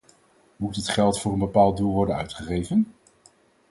Moet het geld voor een bepaald doel worden uitgegeven?